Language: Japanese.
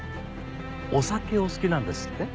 お酒お好きなんですって？